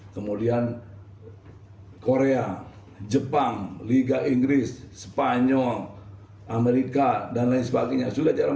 kemudian korea jepang liga inggris spanyol amerika dan lain sebagainya sudah jalan